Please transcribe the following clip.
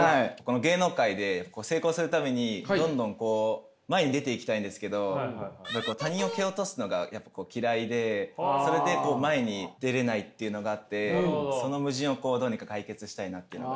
芸能界で成功するためにどんどん前に出ていきたいんですけど他人を蹴落とすのがやっぱ嫌いでそれで前に出れないっていうのがあってその矛盾をどうにか解決したいなっていうのが。